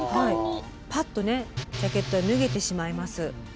パッとジャケットが脱げてしまいます。